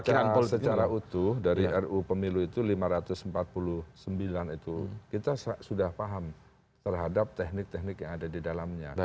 kalau secara utuh dari ruu pemilu itu lima ratus empat puluh sembilan itu kita sudah paham terhadap teknik teknik yang ada di dalamnya